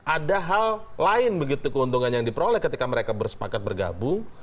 ada hal lain begitu keuntungan yang diperoleh ketika mereka bersepakat bergabung